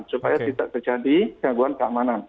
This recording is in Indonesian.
supaya tidak terjadi gangguan keamanan